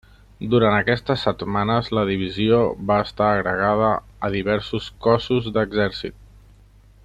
Durant aquestes setmanes la divisió va estar agregada a diversos cossos d'exèrcit.